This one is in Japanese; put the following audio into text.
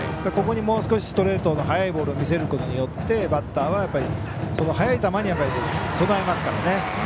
ここにもう少しストレートの速いボールを見せることによってバッターは速い球に備えますからね。